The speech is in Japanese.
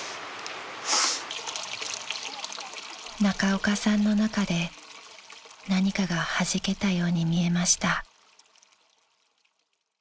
［中岡さんの中で何かがはじけたように見えました］